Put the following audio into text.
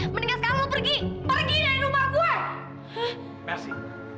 mendingan sekarang lu pergi pergi dari rumah gua